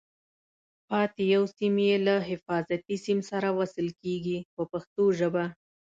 پاتې یو سیم یې له حفاظتي سیم سره وصل کېږي په پښتو ژبه.